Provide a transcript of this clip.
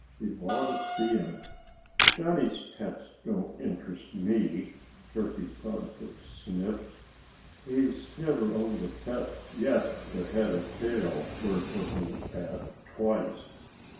You ought to see him." "Johnnie Green's pets don't interest me," Turkey Proudfoot sniffed. "He's never owned a pet yet that had a tail worth looking at twice.